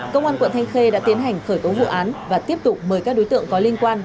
công an quận thanh khê đã tiến hành khởi tố vụ án và tiếp tục mời các đối tượng có liên quan